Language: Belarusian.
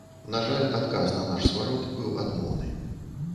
На жаль адказ на наш зварот быў адмоўны.